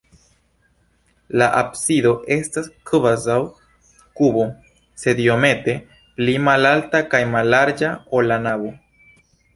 La absido estas kvazaŭ kubo, sed iomete pli malalta kaj mallarĝa, ol la navo.